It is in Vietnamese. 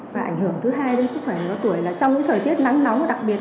và ảnh hưởng thứ hai đến sức khỏe tuổi là trong cái thời tiết nắng nóng đặc biệt